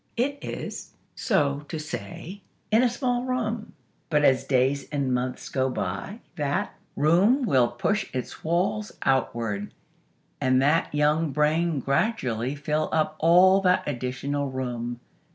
It is, so to say, in a small room. But, as days and months go by, that room will push its walls outward, and that young brain gradually fill up all that additional room.